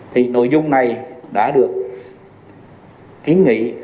thì nội dung này đã được kiến nghị